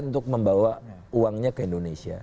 untuk membawa uangnya ke indonesia